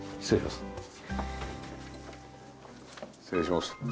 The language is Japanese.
失礼します。